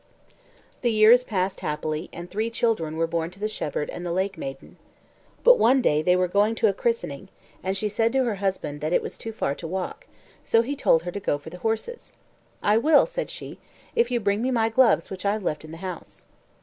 The years passed happily, and three children were born to the shepherd and the lake maiden. But one day here were going to a christening, and she said to her husband it was far to walk, so he told her to go for the horses. "I will," said she, "if you bring me my gloves which I've left in the house."